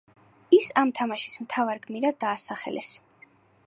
ის ამ თამაშის მთავარ გმირად დაასახელეს.